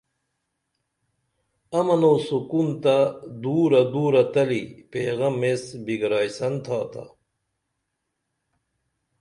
امن و سکون تہ دُورہ دُورہ تلی پیغم ایس بِگرائیسن تھاتا